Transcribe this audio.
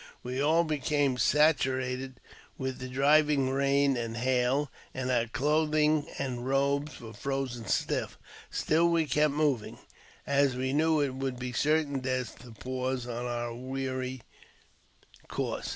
We all became saturated with the driving rain and hail, and our clothing and robes were frozen stiff ; still we kept moving, as we knew it would be certain death to pause on our weary course.